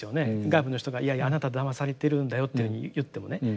外部の人があなただまされてるんだよというふうに言ってもね。